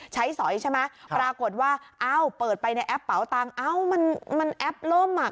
สอยใช่ไหมปรากฏว่าเอ้าเปิดไปในแอปเป๋าตังค์เอ้ามันแอปล่มอ่ะ